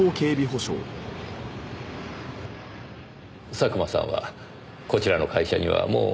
佐久間さんはこちらの会社にはもう長いのですか？